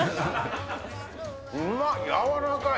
うまっ、やわらかい。